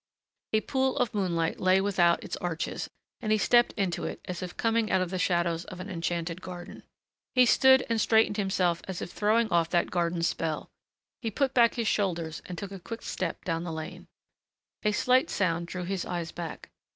A pool of moonlight lay without its arches, and he stepped into it as if coming out of the shadows of an enchanted garden. He stood and straightened himself as if throwing off that garden's spell. He put back his shoulders and took a quick step down the lane. A slight sound drew his eyes back.